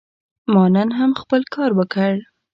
ما نن هم خپل کار وکړ.